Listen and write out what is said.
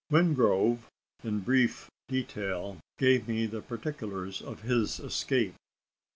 Wingrove, in brief detail, gave me the particulars of his escape.